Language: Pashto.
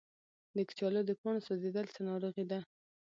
د کچالو د پاڼو سوځیدل څه ناروغي ده؟